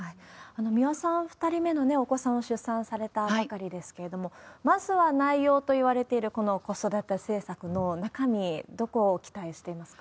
三輪さん、２人目のお子さんを出産されたばかりですけれども、まずは内容といわれているこの子育て政策の中身、どこを期待していますか？